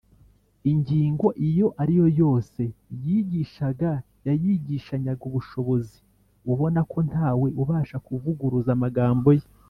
ingingo iyo ari yo yose yigishaga, yayigishanyaga ubushobozi ubona ko ntawe ubasha kuvuguruza amagambo ye